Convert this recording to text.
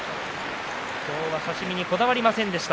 今日は差し身にこだわりませんでした。